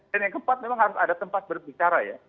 dan yang keempat memang harus ada tempat berbicara ya